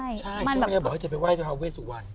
ใช่ช่วงนี้บอกว่าจะไปไหว้ฮาวเวสุวรรณ